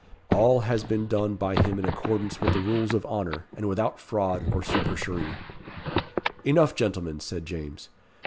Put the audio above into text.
All has been done by him in accordance with the rules of honour, and without fraud or supercherie. "Enough, gentlemen," said James.